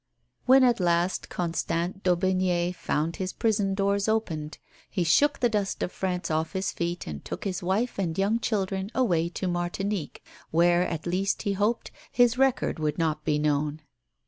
When at last Constant d'Aubigné found his prison doors opened, he shook the dust of France off his feet and took his wife and young children away to Martinique, where at least, he hoped, his record would not be known.